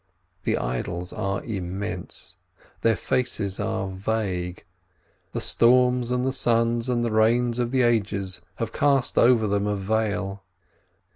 The idols are immense, their faces are vague; the storms and the suns and the rains of the ages have cast over them a veil.